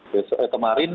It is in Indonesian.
besok eh kemarin